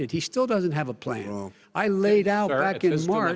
anda tidak mengecewakan dia mengecewakan